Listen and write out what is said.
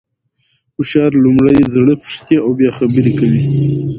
هوښیار لومړی زړه پوښتي او بیا خبري کوي.